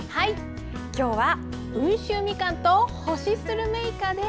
今日は温州みかんと干しスルメイカです。